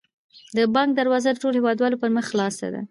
د بانک دروازه د ټولو هیوادوالو پر مخ خلاصه ده.